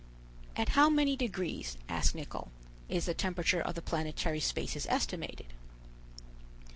"At how many degrees," asked Nicholl, "is the temperature of the planetary spaces estimated?"